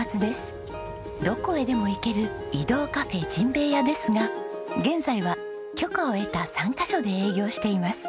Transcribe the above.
どこへでも行ける移動カフェじんべいやですが現在は許可を得た３カ所で営業しています。